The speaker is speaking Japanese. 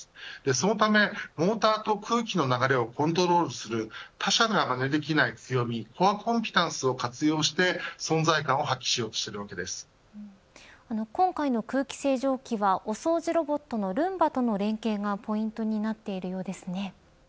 そのためモーターと空気の流れをコントロールする他社がまねできない強みコアコンピタンスを活用して存在感を今回の空気清浄機はお掃除ロボットのルンバとの連携がポイントになっているようですね。